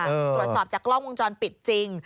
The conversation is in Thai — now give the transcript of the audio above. ตรวจสอบจากกล้องวงจรปิดจริง